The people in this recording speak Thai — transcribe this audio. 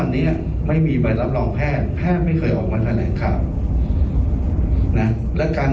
เอาลองฟังก่อน